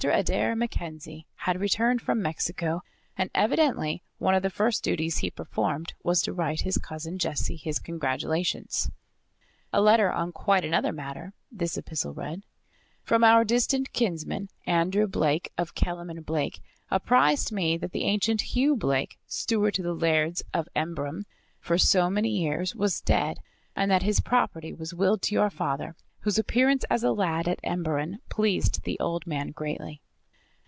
Adair MacKenzie had returned from Mexico and evidently one of the first duties he performed was to write his Cousin Jessie his congratulations. "A letter on quite another matter," this epistle read, "from our distant kinsman, Andrew Blake, of Kellam & Blake, apprised me that the ancient Hugh Blake, steward to the Lairds of Emberon for so many years, was dead and that his property was willed to your father, whose appearance as a lad at Emberon pleased the old man greatly.